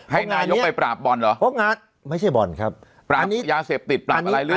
ให้นายกไปปราบบอลเหรอไม่ใช่บ่อนครับปราบนี้ยาเสพติดปราบอะไรเรื่อย